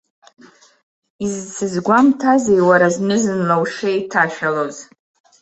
Изсызгәамҭазеи уара зны-зынла ушеиҭашәалоз.